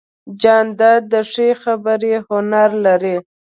جانداد د ښې خبرې هنر لري.